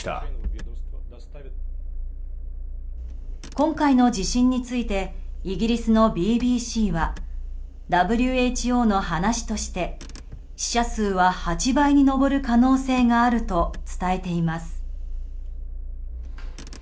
今回の地震についてイギリスのＢＢＣはＷＨＯの話として死者数は８倍に上る可能性があると伝えています。